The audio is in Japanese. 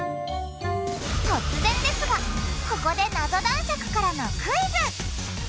突然ですがここでナゾ男爵からのクイズ。